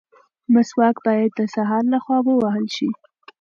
مسواک باید د سهار لخوا ووهل شي.